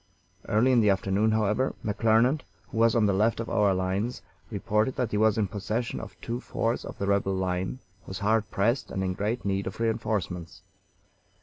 Early in the afternoon, however, McClernand, who was on the left of our lines, reported that he was in possession of two forts of the rebel line, was hard pressed, and in great need of re enforcements.